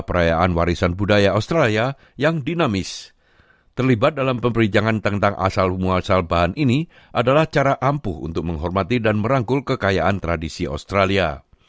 pembelajaran dalam pemberian tentang asal humuasal bahan ini adalah cara ampuh untuk menghormati dan merangkul kekayaan tradisi australia